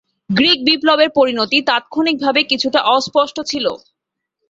Greek বিপ্লবের পরিণতি তাৎক্ষণিকভাবে কিছুটা অস্পষ্ট ছিল।